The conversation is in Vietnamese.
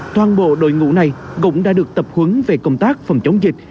toàn bộ đội ngũ này cũng đã được tập huấn về công tác phòng chống dịch